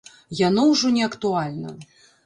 Яно ўжо не актуальна.